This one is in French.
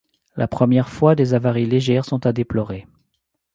La première fois des avaries légères sont à déplorer.